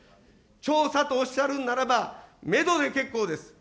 調査とおっしゃるんならば、メドで結構です。